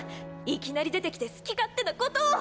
いきなり出てきて好き勝手なことを！